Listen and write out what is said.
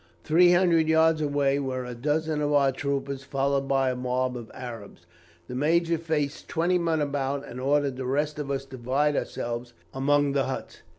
Three hundred yards away were a dozen of our troopers, followed by a mob of Arabs. The Major faced twenty men about, and ordered the rest of us to divide ourselves among the huts.